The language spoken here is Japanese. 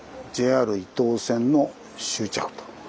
ＪＲ伊東線の終着と。